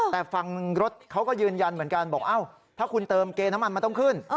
แต่ฝั่งรถเขาก็ยืนยันเหมือนกันบอกถ้าคุณเติมเกณฑ์น้ำมันมันต้องขึ้น